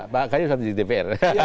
pak akang juga pernah di dpr